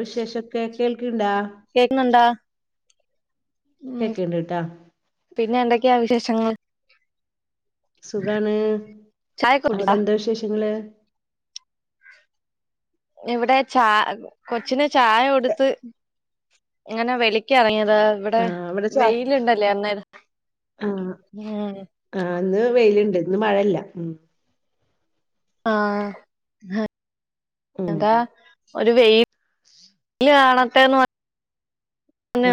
വിശേഷൊക്കെ കേൾക്ക്ണ്ടാ? കേക്ക്ന്ണ്ടാ? കേക്ക്ണ്ട് ട്ടാ പിന്നെ എന്തൊക്കെയാ വിശേഷങ്ങൾ? സുഖാണ്. ചായൊക്കെ അവിടെ കുടിച്ചാ എന്താ വിശേഷങ്ങള്? ഇവിടെ ചാ കൊച്ചിന് ചായ കൊടുത്ത് ഇങ്ങനെ വെളിക്ക് എറങ്ങിയത വടെ ആഹ് ഇവിടെ ചാ വെയില്ണ്ടല്ലേ അന്നേരം. ആഹ് ഉം ആഹ് ഇന്ന് വെയില്ണ്ട് ഇന്ന് മഴല്ല. ആഹ് [unintelligible] ഉം ഒരു വെയ് ല് കാണട്ടെന്ന് പ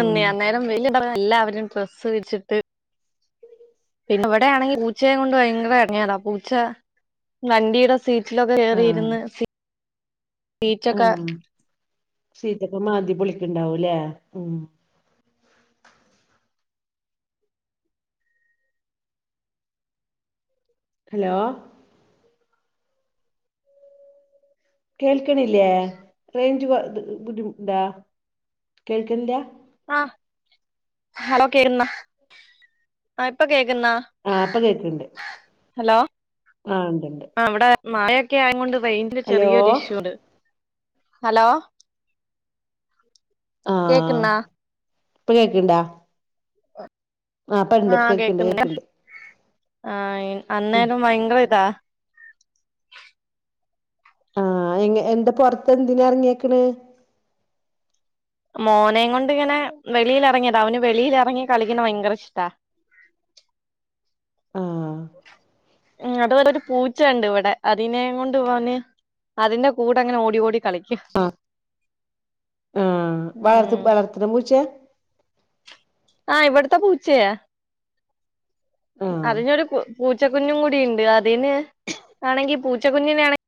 ഉം അന്നേരം വെയില് [unintelligible] എല്ലാവരും ഡ്രസ്സ് വിരിച്ചിട്ട് പിന്നെ ഇവിടെയാണെങ്കിൽ പൂച്ചയും കൊണ്ട് ഭയങ്കര എടങ്ങേറാ പൂച്ച വണ്ടിയുടെ സീറ്റിലൊക്കെ ആഹ് കേറിയിര്ന്ന് സി സീറ്റൊക്കെ ഷീറ്റൊക്കെ മാന്തി പൊളിക്ക്ണ്ടാവു ല്ലേ? ഉം ഹലോ കേൾക്ക്ണില്ല്യേ? റേഞ്ച് ബ ബ് ബുദ്ധിമുട്ട്ണ്ടാ? കേൾക്കണില്ല? ആഹ് ഹലോ കേന്ന ആ ഇപ്പ കേക്ക്ന്ന? ആഹ് ഇപ്പ കേൾക്ക്ണ്ട്. ഹലോ ആഹ് ഇണ്ട് ണ്ട് ആഹ് ഇവിടെ മഴയൊക്കെ ആയ കൊണ്ട് റേഞ്ച്ന് ചെറിയൊരു ഇഷ്യൂണ്ട്. ഹലോ ആഹ് കേക്കിന്ന? ഇപ്പൊ കേക്കിണ്ട? ആഹ് കേക്ക്ണ്ട് കേക്ക്ന്നില്ല. കേക്ക്ണ്ട് ആഹ് ഉം അന്നേരം ഭയങ്കര ഇതാ ആഹ് എങ് എന്ത പൊർത്ത് എന്തിന എറങ്ങിയേക്ക്ണ്? മോനെയും കൊണ്ട് ഇങ്ങനെ വെളിയിൽ ഇറങ്ങിയതാ. അവന് വെളിയില് ഇറങ്ങി കളിക്കണ ഭയങ്കര ഇഷ്ടാ. ആഹ് ഇങ്ങട്ട് ങ്ങട്ടൊരു പൂച്ചണ്ട് ഇവിടെ അതിനെയ് കൊണ്ട് ഓന് അതിന്റെ കൂടെ ഇങ്ങനെ ഓടി ഓടി കളിക്കും. വളർത് ഉം വളർത്ത്ണ പൂച്ചയാ? ആഹ് ഇവട്ത്തെ പൂച്ചയ. ആഹ് അതിനൊരു കു പൂച്ചക്കുഞ്ഞും കൂടി ഇണ്ട്. അതിന് ആണെങ്കി പൂച്ചക്കുഞ്ഞിനെ ആണെ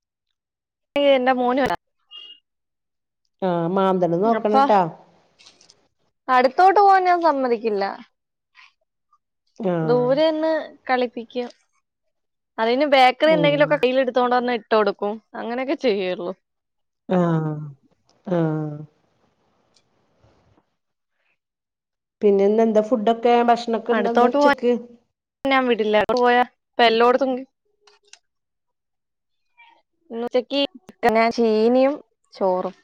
[unintelligible] എന്റെ [unintelligible] ആഹ് മാന്തണ അപ്പൊ നോക്കണട്ടാ അടുത്തോട്ട് പോവാൻ ഞാൻ സമ്മതിക്കില്ല. ആഹ് ദൂരെന്ന് കളിപ്പിക്കും. അതിന് ബേക്കറി ഉം എന്തെങ്കിലൊക്കെയ് കയ്യില് ഇട്ത്തോണ്ട് വന്ന് ഇട്ട് കൊടുക്കും അങ്ങനെയൊക്കെ ചെയ്യൊള്ളു. ആഹ് ആഹ് പിന്നെ ഇന്ന് എന്താ ഫുഡൊക്കെ ഭക്ഷണൊക്കെ എന്താ അടുത്തോട്ട് പോവാൻ ഉച്ചയിക്ക്? ഞാൻ വിടില്ല പോയാ അപ്പ എല്ലോട്ത്തും ഇന്ന് ഉച്ചക്ക് ചീനിയും, ചോറും.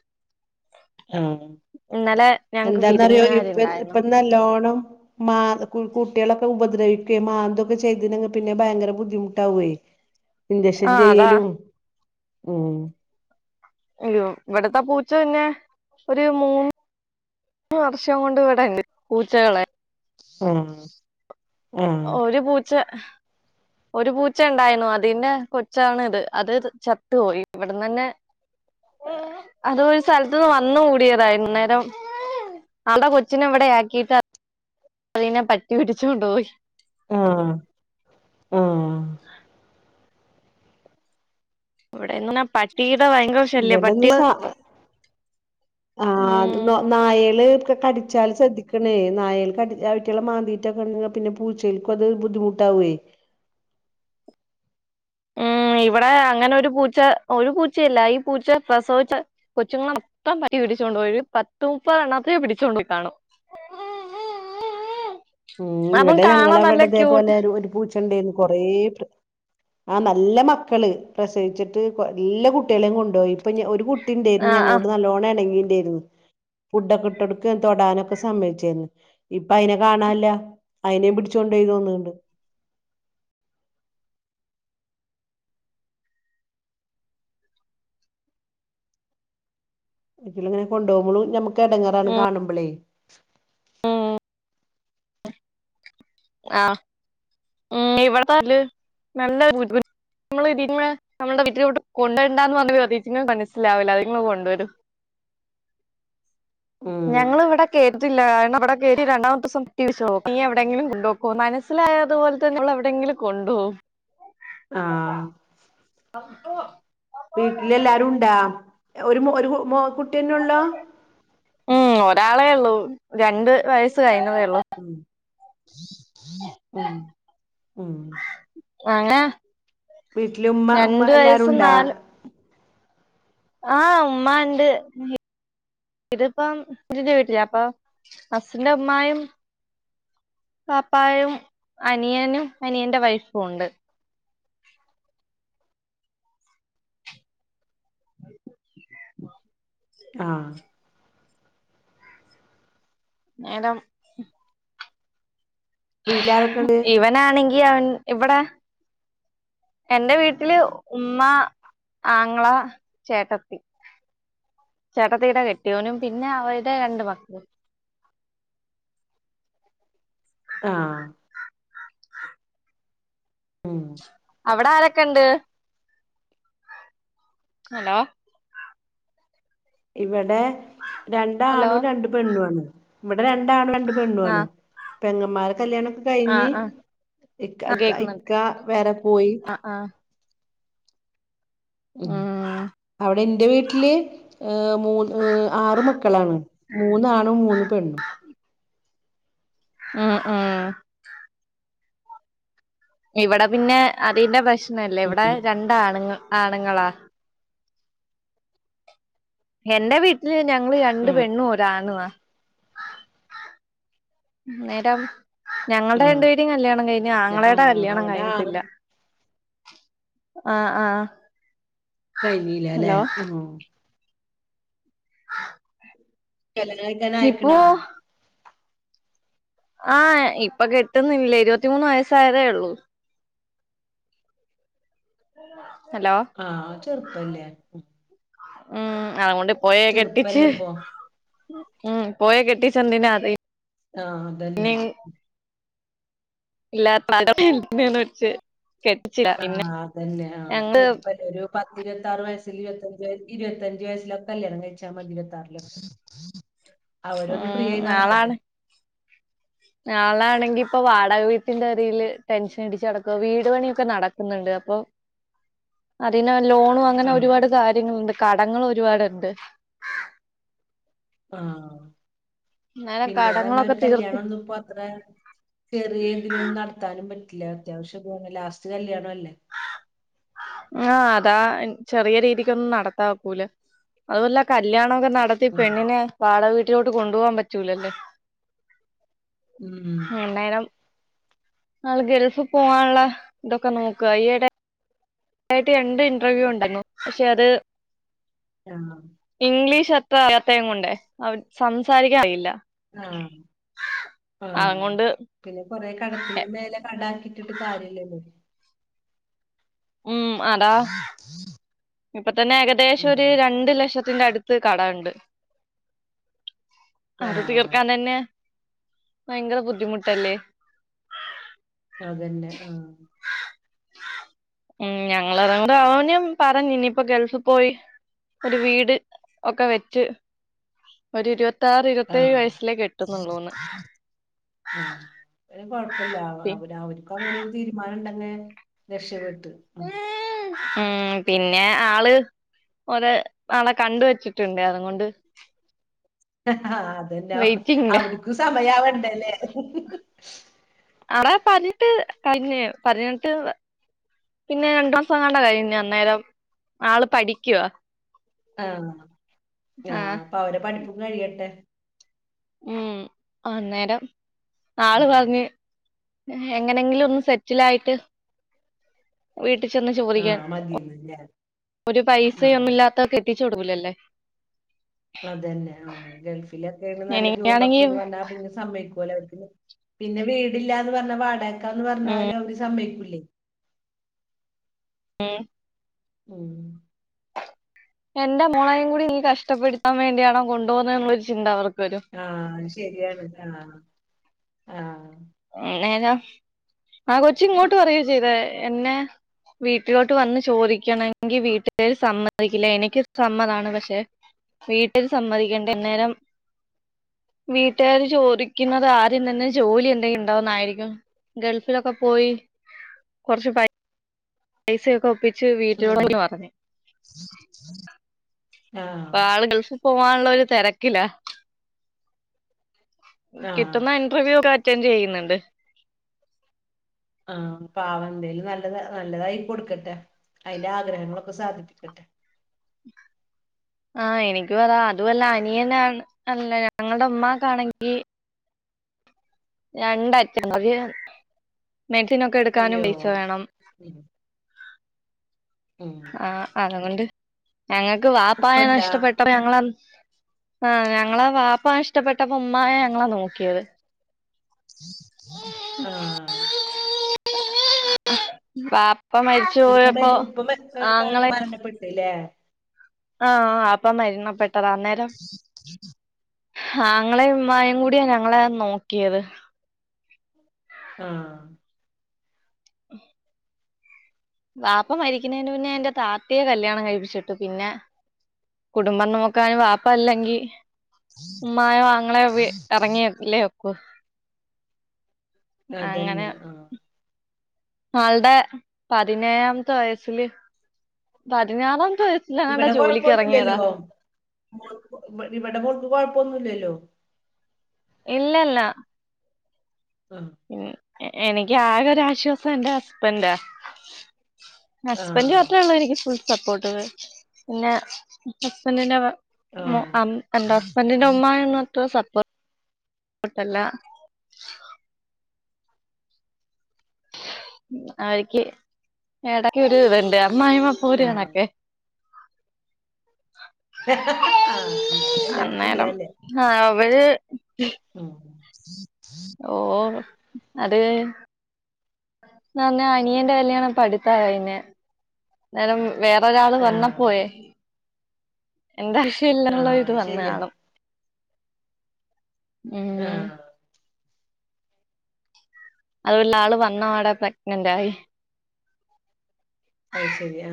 ആഹ് ഇന്നലെ ഞങ്ങക്ക് എന്താന്നറിയോ ഇപ്പ വിരുന്നുകാരുണ്ടായിരുന്നു ഇപ്പ നല്ലോണം മാ കുട്ടികളൊക്കെ ഉപദ്രവിക്ക മാന്തോക്കെ ചെയ്ത് നങേ പിന്നെ ഭയങ്കര ബുദ്ധിമുട്ടാവുവേ. ഇഞ്ചക്ഷൻ ആഹ് അതാ ചെയ്യലും ഉം അയ്യോ ഇവിടത്തെ പൂച്ച തന്നെ ഒരു മൂ ന്ന് വർഷം കൊണ്ട് ഇവിടേണ്ട്. പൂച്ചകളെ ആഹ് ആഹ് ഒരു പൂച്ച ഒരു പൂച്ച ഇണ്ടായിണോ അതിന്റെ കൊച്ചാണ് ഇത്. അത് ചത്തു പോയി ഇവിടന്നന്നെ അതൊരു സ്ഥലത്തൂന്ന് വന്നു കൂടിയതാ വൈകുന്നേരം. ആൾടെ കൊച്ചിനെ ഇവിടെയാക്കിട്ട അതിനെ പട്ടി പിടിച്ചോണ്ട് പോയി. ആഹ് ആഹ് ഇവിടെ ഇങ്ങനെ പട്ട് ട്ടീടെ ഭയങ്കര ശല്ല്യ ഇവിടെന്ന് പട്ടി ഇപ്പ. സ ഉം നായല് ക്കെ കടിച്ചാല് ശ്രദ്ധിക്കണേ നായല് കടിച്ച് അവിറ്റളെ മാന്തിറ്റൊക്കെ ഉണ്ടെ പിന്നെ പൂച്ചെൾക്കു അത് ബുദ്ധിമുട്ടാവുവേ ഉം ഇവിടെ അങ്ങനെ ഒരു പൂച്ച ഒരു പൂച്ചയില്ല ഈ പൂച്ച പ്രസവിച്ച കൊച്ചുങ്ങളെ അത്രം പറ്റി പിടിച്ചുക കൊണ്ട്പോയി ഒരു പത്ത് മുപ്പത എണ്ണത്ത പിടിച്ചുകൊണ്ട്പോയി കാണും ആഹ ആഹ് ആഹ ആ ഉം ഇവിടെ ഞങ്ങളവിടതേ പോലെ ഒരു പൂച്ച ഉണ്ടന്ന് കൊറേട്ട് ആഹ് നല്ല മക്കള് പ്രസവിച്ചിട്ട് എല്ലാ കുട്ടികളെയും കൊണ്ടുപോയി ഇപ്പൊ ഒരു കുട്ട ണ്ടായി ആഹ് ആഹ് ഞങ്ങളോട് നല്ലോണം എണ്ങ്ങി ഉണ്ടായിരുന്നു ഫുഡൊക്കെ ഇട്ട് കൊടുക്കൻ തൊടാനൊക്കെ സമ്മയിച്ചിരുന്നു ഇപ്പൊ അതിനെ കാണാ അയിനെ പിടിച്ചോണ്ടായി തോന്നുന്നുണ്ട് അല ഇങ്ങനെ കൊണ്ടപോകുമ്പോഴും ഞമ്മുക്ക് എടങ്ങാറാണ് കാണുമ്പോളേ ആ ഉം ഇവിടത്തെല് നല്ല നമ്മള് ഇ നമ്മുടെ വീട്ടില ഇട്ട കൊണ്ടുണ്ടാന്ന് വന്ന പ്രതീിങ്ങൾ മനസ്സിലാവില്ല അത് കൊണ്ടുവരും ഉം ഞങ്ങ ഇവിടെ കേയറിട്ടില്ല ഇവിടെ കേറി രണ്ടാമത്തെ ദിവസം ടി വി ഷോ നീ എവിടെങ്കിലും കൊണ്ടുപോക്കോ മനസ്സിലായതു പോലെ തന്ന നമ്മൾ എവിടെയങ്കില കൊണ്ടോ ആഹ് വീട്ടിലെല്ലാരുംണ്ടാ ഒരു ഒരു കുട്ടിയനുള്ളു ഉം ഒരാളേ ഉള്ളൂ രണ്ട് വയസ്സ് കഴിഞ്ഞതേ ഉള്ളു ഉം ഉം അങ്ങെ വീട്ടില് ഉമ്മ ഉമ്മ രണ്ട് എല്ലാരും വയസും ഉണ്ടാ നാല് ആഹ് ഉമ്മ ഉണ്ട് ഇതിപ്പം എന്റെ വീട്ടില അപ്പൊ ഹസിന്റെ ഉമ്മായും വാപ്പായും അനിയനും അനിയന്റെ വൈഫും ഉണ്ട് ആഹ് [unintelligible] വീട്ടിലാരൊക്കെ ഉണ്ട് ആണെങ്കിൽ അവൻ ഇവിടെ എന്റെ വീട്ടില് ഉമ്മ ആങ്ങള ചേട്ടത്തി ചേട്ടത്തിടെ കെട്ടിയോനും പിന്നെ അവരുടെ രണ്ട് മക്കളും ആഹ് ഉം അവിടെ ആരൊക്കെ ഉണ്ട് ഹലോ ഇവിടെ ഹലോ രണ്ടാണും രണ്ട് പെണ്ണു ആണ് ഇവിടെ രണ്ടാണും രണ്ട് പെണ്ണു ആ ആണ് പെങ്ങമാരെ കല്യാണമക്കെ ആ കഴിഞ്ഞ് ആ ആ ഇക്ക കേക്കുന്നു ഇക്ക വേറെ പോയി ആ ആ ഉ ഉം അവിടെ ഇൻ്റെ വീട്ടില് ഏ മൂന്ന് ഏ ആറ് മക്കളാണ് മൂന്നാണും മൂന്ന് പെണ്ണും ഉ ഉം ഉം ഇവിടെ പിന്നെ അതിന്റെ പ്രശ്നല്ലേ ഇവിടെ രണ്ട ആണുങ്ങ ആണുങ്ങളാ എൻന്റെ വീട്ടില് ഞങ്ങള് രണ്ട് ആഹ് പെണ്ണും ഒരാണുവാ നേഡം ഞങ്ങളുടെ രണ്ടുപേരുടേം ആഹ് കല്യാണം കഴിഞ്ഞു ആങ്ങളേടെ ആഹ് കല്യാണം അവിടെ ആറ് കഴിഞ്ഞിട്ടില്ല ആഹ് ആഹ് കഴഞ്ഞീല്ല അല്ലെ ഹലോ ആ കല്യാണം കഴിക്കാൻ ആയിക്കണ ഇപ്പോ ആഹ് ഇപ്പൊ കെട്ടുന്നില്ല ഇരുപത്തിമൂന്ന് വയസ്സായതേ ഉള്ളൂ ഹലോ ആഹ് ചെറുപ്പല്ലേ ഉം അതോണ്ട് ഇപോയേ കെട്ടിച്ച്. ചെറുപ്പല്ലേ ഇപ്പൊ ഉം ഇപ്പോയെ കെട്ടിച്ചെന്തിനാ അത് ആഹ് അതന്നെ. ഇല്ലാ [unintelligible] [unintelligible] ആഹ്, അതന്നെ ആഹ് ഞങ്ങള് ചെറുപ്പല്ല ഒരു പത്ത് ഇരുവത്താറ് വയസ്സില് ഇരുവത്തഞ്ച് ഇരുവത്തഞ്ച് വയസ്സിലോക്കെ കല്യാണം കഴിച്ചാ മതി ഇരുവത്താറിലൊക്കെ. അവരൊന്ന് ഫ്രീയായി ഉം നടക്കട്ടെ. ആളാണെങ്കിൽ ഇപ്പൊ വാടക വീട്ടിന്റെ അറിയിൽ ടെൻഷൻ അടിച്ച് നടക്കുവാ വീട് പണിയൊക്കെ നടക്കുന്നുണ്ട്, അപ്പൊ അതിനാ ലോണും അങ്ങനെ ആഹ് ഒരുപാട് കാര്യങ്ങളുണ്ട്, കടങ്ങൾ ഒരുപാടുണ്ട്. ആഹ്, അങ്ങനെ പിന്നേ പറഞ്ഞാ കടങ്ങളൊക്കെ ഒരു തീർത്ത് കല്യാണം ഒന്നും ഇപ്പോ അത്ര ചെറിയ രീതിയിലൊന്നും നടത്താനും പറ്റില്ല, അത്യാവശ്യം ഇതു ലാസ്റ്റ് കല്ല്യാണ അല്ലേ. ആഹ്, അതാ ചെറിയ രീതിക്കൊന്നും നടത്താക്കൂലാ അതുവല്ല കല്യാണം ഒക്കെ നട പ്പേ ഉം പെണ്ണിനെ വാടക വീട്ടിലേട്ട് കൊണ്ടുപോവാൻ പറ്റൂലല്ലേ. ഉം. അന്നേരം ആള് ഗൾഫ് പോവാനുള്ള തൊക്കെ നോക്കാ ഈ ഇടെ ആയിട്ട് രണ്ട് ഇന്റർവ്യൂ ഉണ്ടായിന്നു പക്ഷെ അത് ആഹ്. ഇംഗ്ലീഷ് അത്ര അറിയാത്തെ കൊണ്ട് അവൻ സംസാരിക്കാനറിയില്ല. ആഹ് ആഹ്. അതുകൊണ്ട് പിന്നെ കൊറെ കടത്തിന്റെ മേലെ കടാക്കിയിട്ട്ട്ട് കാര്യല്ലല്ലോ. ഉം അതാ ഇപ്പൊ തന്നെ ഏകദേശം ഉം ഒരു രണ്ടു ലക്ഷത്തിന്റെ അടുത്ത് കടം ഉണ്ട്. അത് ആഹ് തീർക്കാൻ തന്നെ ഭയങ്കര ബുദ്ധിമുട്ടല്ലേ? അതന്നെ ആഹ്. ഉം ഞങ്ങ [unintelligible] പറഞ്ഞു ഇനിയിപ്പോ ഗൾഫ് പോയി ഒരു വീട് ഒക്കെ വെച്ച് ഒരു ഇരുവത്താആറ് ഇരുവത്തേഴ് ആഹ് വയസ്സിലേ കെട്ടുന്നുള്ളൂന്ന്. മ്മ്ഹ്, കൊഴപ്പില്ല അവ പി അവ അവര്ക്ക അങ്ങനെ ഒരു തീരുമാനം ഉണ്ടെങ്കി രക്ഷപ്പെട്ടു. ഉം ഉം പിന്നെ ആള് ഒര് ആളെ കണ്ട് വെച്ചിട്ടുണ്ട് അതുകൊണ്ട് ഹ് ഹ് അതന്നെ ഹ് ഹ് വെയിറ്റിംഗില അവിടിക്ക് സമയാവണ്ടല്ലേ ഹ് ഹ്. അവളേ പതിനട്ട് കഴിഞ്ഞ് പതിനട്ട് പിന്നെ രണ്ടു മാസംങ്ങാണ്ട് കഴിഞ്ഞ് അന്നേരം ആള് പഠിക്കുവാ. ആഹ് ആഹ് അപ്പൊ അവരെ പഠിപ്പും കഴിയട്ടെ. ഉം, അന്നേരം ആള് ഉം പറഞ്ഞ് എങ്ങനെങ്കിലും ഒന്ന് സെറ്റില് ആയിട്ട് വീട്ടിൽ ചെന്ന് ചോദിക്കാൻ. മതീനല്ലേ. ഒരു പൈസയൊന്നും ഇല്ലാത്ത കെട്ടിച്ചു കൊടുക്കൂലല്ലോ. അതന്നെ ആഹ് ഗൾഫിലൊക്കെണ് നല്ല എനിക്കാണെങ്കി ജോബൊക്കെന്ന് പറഞ്ഞ സംഭവിക്കുല്ലോ [unintelligible] പിന്നെ വീടില്ലാന്ന് പറഞ്ഞാ വാട ക്കാന്ന് പറഞ്ഞാലും അവര് സമ്മയിക്കൂല്ലെയ്. ഏ. ഉം. എന്റെ മോളയും കൂടി നീ കഷ്ടപ്പെടുത്താൻ വേണ്ടിയാണോ കൊണ്ടു വന്നോ എന്ന ഒരു ചിന്ത അവർക്ക് വരും. ആഹ്. അത് ശരിയാണ് ആഹ് ആഹ്. അന്നേരം ആ കൊച്ച് ഇങ്ങോട്ട് പറയാ ചെയ്തെ എന്നെ വീട്ടിലോട്ട് വന്ന് ചോദിക്കണങ്കിൽ വീട്ടിക്കാര് സമ്മതിക്കില്ല, എനിക്ക് സമ്മതാണ് പക്ഷെ വീട്ടിൽ സമ്മതിക്കേണ്ടെ അന്നേരം വീട്ടുകാര് ചോദിക്കുന്നത് ആദ്യം തന്നെ ജോലി എന്തേ ണ്ടോ ന്നാരിക്കും ഗൾഫിലൊക്കെ പോയി കൊറച്ച് പൈ പൈസക്കെ ഒപ്പിച്ച് വീട്ടിലോടെപറഞ്. ആഹ് പ്പൊ ആള് ഗൾഫിൽ പോവാനുള്ള ഒരുതെരക്കില്ല ആ കിട്ടുന്ന ഇന്റർവ്യൂ ഒക്കെ അറ്റൻഡ് ചെയ്യ്‌ന്ന്‌ണ്ട് ആഹ് പാവ എന്തേലും നല്ലത് നല്ലതായി കൊടുക്കട്ടെ അയിന്റെ ആഗ്രഹങ്ങളൊക്കെ സാധിപ്പിക്കട്ടെ. [inaudible] ആഹ് എനിക്ക് അതാ അതുമല്ല അനിയനെയാണ് അല്ല ഞങ്ങളുടെ ഉമ്മാക്കാണെങ്കിൽ രണ്ടറ്റാ [unintelligible] മെഡിസിനൊക്കെ എടുക്കാനും അയ്യോ പൈസ വേണം. ഉം ഉം ആഹ് അതുകൊണ്ട് ഞങ്ങക്ക് വാപ്പാനെ ഉപ്പണ്ടാ നഷ്ടപ്പെട്ട അ ഞങ്ങള ആഹ് ഞങ്ങള വാപ്പാ നഷ്ട്ടപ്പെട്ടപ്പോ ഉമ്മായാ ഞങ്ങളെ നോക്കിയത്. ആഹ് വാപ്പ ഉപ്പ മരിച്ചുപോയപ്പോ ആങ്ങെളെ ത് ല്ലേ ആഹ് അഹ് അപ്പ മരണപ്പെട്ടത അന്നേരം. ഹാങ്ങളെയും ഉമ്മയും കൂടിയാ ഞങ്ങളെ നോക്കിയത്. ആഹ് ഉ [inaudible] വാപ്പ മരിക്കുന്നതിന് മുന്നേ എൻറെ താത്തായെ കല്യാണം കഴിപ്പിച്ചിട്ടു പിന്നെ കുടുംബം നോക്കാൻ വാപ്പല്ലെങ്കിൽ [inaudible] ഉമ്മയോ അങ്ങളെയോ വി എറങ്ങിയല്ലേ ഒക്കൂ. അങ്ങനെ അതന്നെ ആഹ് ആൾടെ പതിനേഴാമത്തെ വയസ്സില് പതിനാറാമത്തെ വയ ഇന്നങ്ങണ്ടെ ഇവിടെ ജോലിക്കറങ്ങിയതാ. കൊഴപ്പൊന്നുല്ലല്ലോ മോൾക്ക് ഇവ ഇവിടെ മോൾക്ക്‌ കൊയപ്പന്നുല്ല്യാല്ലോ ഇല്ലല്ല ഹ എ എനിക്ക് ആകെരുശ്വാസം എന്റെ ഹുസ്‌ബെന്റ ഹസ്ബൻഡ് ആഹ് മാത്രള്ളോ എനിക്ക് ഫുൾ സപ്പോർട്ട് പിന്നെ ഹസ്ബൻഡിന്റെ മ്മ ആഹ് എന്റെ ഹസ്ബൻഡിന്റെ ഉമ്മ അത്ര സപ്പോർട്ടല്ല അവർക്ക് ഇടക്ക ഒരു [unintelligible] അമ്മായ്യ്യമ്മ ആഹ് പോരാണൊക്കെ ഹെ ആഹ് ഉണ്ടാവും. അഹ് എല്ലോടുതും അന്നേരം ഉള്ളെല്ലേ. ആഹ് അവര് ഉം ഓ അത് ഞങ്ങ അന്യൻന്റെ കല്യാണം ഇപ്പടുത്ത കഴിഞ്ഞേ നന വേറെരാള് ആഹ് വന്നപ്പോയേ എന്ത ആഹ് [unintelligible] അത് ശരിയാ വന്നയാളും ഉം ആഹ് അതുല്ല ആള് വന്ന അടെ പ്രഗ്നന്റ് ആയി. അഹ് ശെരി ആ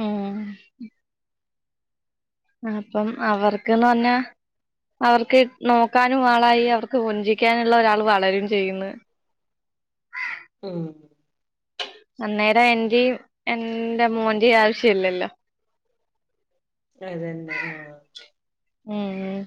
ഉം അപ്പം അവർക്ക്ന്ന് പറഞ്ഞ അവർക്ക് നോക്കാനും ആളായി അവർക്ക് കൊഞ്ചിക്കാനുള്ള ഒരാള് വളരും ചെയ്യുന്ന്. ഉം അന്നേരം എന്റി എന്റെ മോൻന്റെയും ആവശ്യല്ലല്ലോ അതന്നെ ആഹ് ഉം ഉം